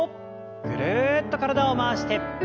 ぐるっと体を回して。